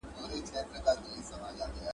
د ماشومانو حقونه باید په کور کي هم خوندي وي.